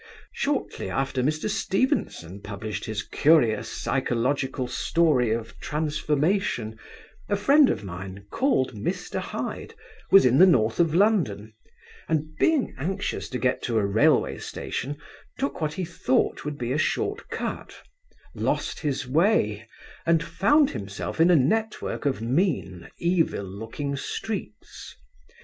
Shortly after Mr. Stevenson published his curious psychological story of transformation, a friend of mine, called Mr. Hyde, was in the north of London, and being anxious to get to a railway station, took what he thought would be a short cut, lost his way, and found himself in a network of mean, evil looking streets.